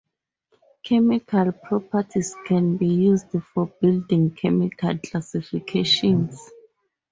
Chemical properties can be used for building chemical classifications.